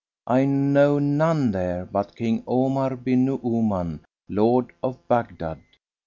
I know none there but King Omar bin Nu'uman, Lord of Baghdad."